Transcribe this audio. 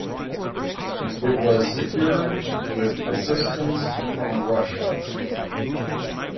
It was secured with assistance from Russia.